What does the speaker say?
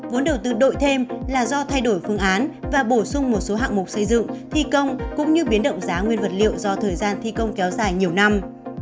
vốn đầu tư đội thêm là do thay đổi phương án và bổ sung một số hạng mục xây dựng thi công cũng như biến động giá nguyên vật liệu do thời gian thi công kéo dài nhiều năm